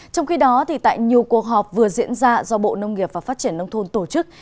trong khi đó tại nhiều cuộc họp vừa diễn ra do bộ nông nghiệp và phát triển nông thôn tổ chức